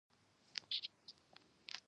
توپک د زړه خبرې نه اوري.